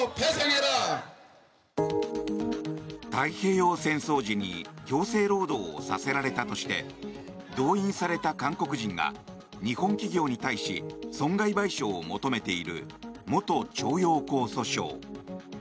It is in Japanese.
太平洋戦争時に強制労働をさせられたとして動員された韓国人が日本企業に対し損害賠償を求めている元徴用工訴訟。